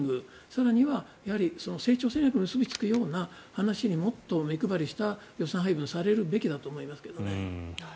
更には、成長戦略に結びつくように目配りした予算配分にするべきだと思いますけどね。